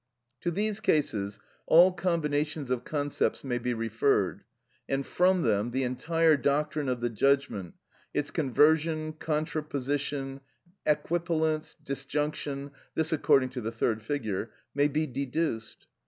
To these cases all combinations of concepts may be referred, and from them the entire doctrine of the judgment, its conversion, contraposition, equipollence, disjunction (this according to the third figure) may be deduced.